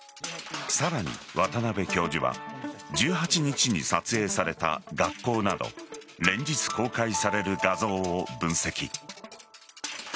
さらに渡邉教授は１８日に撮影された学校など連日、公開される画像を分析。